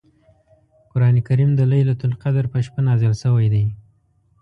قران کریم د لیلة القدر په شپه نازل شوی دی .